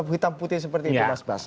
hitam putih seperti itu mas bas